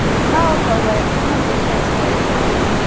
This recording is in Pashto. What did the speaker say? ما ورته وویل، ته هم بیخي عجيبه یې.